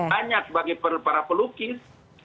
banyak bagi para pelukis